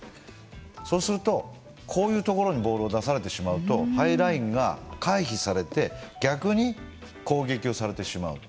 そうするとこういうところにボールを出されてしまうとハイラインが回避されて逆に攻撃をされてしまう。